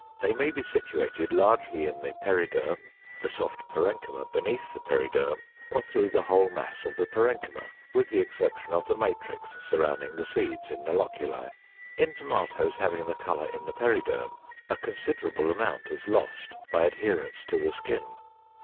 They may be situated largely in the periderm, the soft parenchyma beneath the periderm, or through the whole mass of the parenchyma with the exception of the matrix surrounding the seeds in the loculi. In tomatoes having the color in the periderm a considerable amount is lost by adherence to the skin.